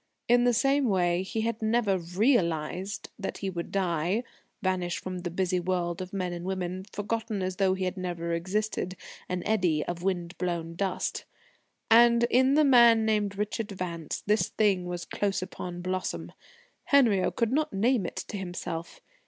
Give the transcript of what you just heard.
In the same way he had never realised that he would die vanish from the busy world of men and women, forgotten as though he had never existed, an eddy of wind blown dust. And in the man named Richard Vance this thing was close upon blossom. Henriot could not name it to himself.